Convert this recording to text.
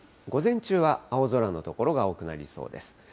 午前中は青空の所が多くなりそうです。